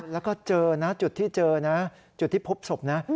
แล้วก็เจอนะจุดที่เจอนะจุดที่พบศพนะ